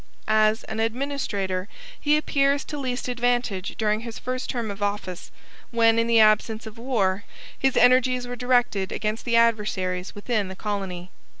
As an administrator he appears to least advantage during his first term of office, when, in the absence of war, his energies were directed against adversaries within the colony.